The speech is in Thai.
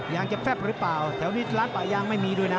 ยางจะแป๊บหรือเปล่าแถวนี้ร้านป่ายางไม่มีด้วยนะ